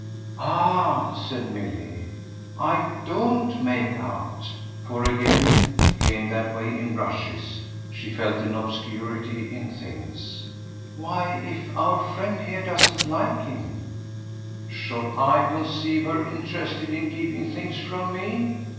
"Ah," said Milly, "I DON'T make out;" for again it came that way in rushes she felt an obscurity in things. "Why, if our friend here doesn't like him " "Should I conceive her interested in keeping things from me?"